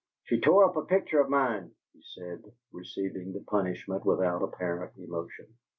"She tore up a picture of mine," he said, receiving the punishment without apparent emotion.